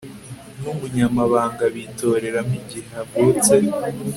n Umunyamabanga bitoreramo Igihe havutse